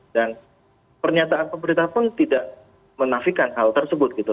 dan pernyataan pemerintah pun tidak menafikan hal tersebut gitu